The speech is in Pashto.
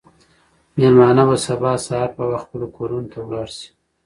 مېلمانه به سبا سهار په وخت خپلو کورونو ته لاړ شي.